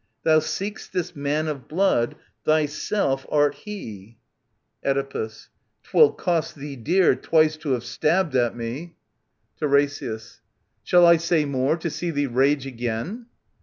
Thou seek*st this man of blood : Thyself art he Oedipus. 'Twill cost thee dear, twice to have stabbed at me I 21 M^^' SOPHOCLES TT. 364 377 TiRKSIAS. Shall I say more, to see thee rage again